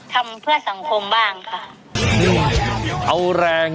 ทำเพื่อสังคมบ้างค่ะ